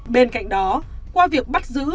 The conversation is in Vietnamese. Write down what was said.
bên cạnh đó qua việc bắt giữ